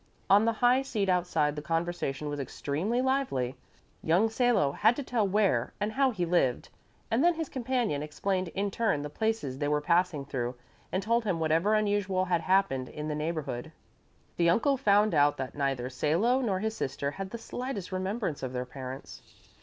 On the high seat outside the conversation was extremely lively. Young Salo had to tell where and how he lived, and then his companion explained in turn the places they were passing through and told him whatever unusual had happened in the neighborhood. The uncle found out that neither Salo nor his sister had the slightest remembrance of their parents.